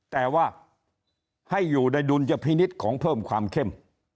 แต่ว่าให้อยู่ในดุลยพินิษฐ์ของเพิ่มความเข้ม